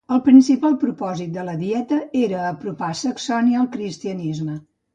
El principal propòsit de la dieta era apropar Saxònia al cristianisme.